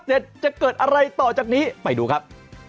จะเกิดอะไรต่อจากนี้ไปดูครับ